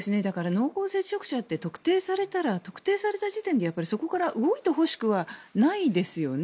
濃厚接触者って特定されたら特定された時点でそこから動いてほしくないですよね。